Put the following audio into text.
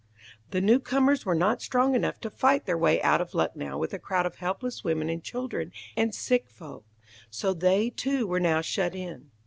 the newcomers were not strong enough to fight their way out of Lucknow with a crowd of helpless women and children and sick folk, so they, too were now shut in.